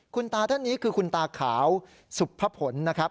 คุณตาท่านนี้คือคุณตาขาวสุภผลนะครับ